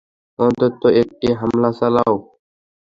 অন্তত একটি হামলা চালাও।